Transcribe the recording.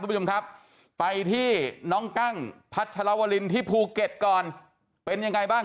คุณผู้ชมครับไปที่น้องกั้งพัชรวรินที่ภูเก็ตก่อนเป็นยังไงบ้าง